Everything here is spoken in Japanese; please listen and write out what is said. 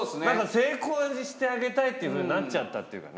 成功にしてあげたいっていうふうになっちゃったっていうかね